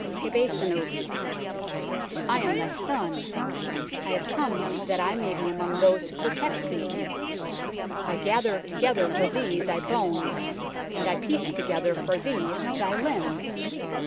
QEBHSENNUF :" I am thy son. I have come that I may be among those who protect thee. I gather together for thee thy bones and I piece together for thee thy limbs.